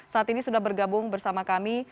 saat ini sudah bergabung bersama kami